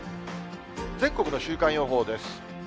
全国の週間予報です。